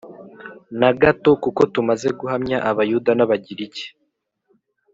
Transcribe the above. na gato Kuko tumaze guhamya Abayuda n Abagiriki